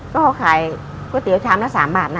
ก็ขายก๋วยเตี๋ยวชามละ๓บาทนะ